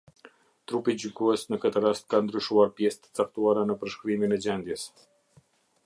Trupi gjykues, në ketë rast ka ndryshuar pjesë të caktuara në përshkrimin e gjendjes.